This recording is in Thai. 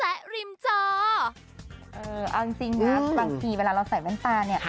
เอออันจริงบางทีเวลาเราใส่แว่นตาเนี่ย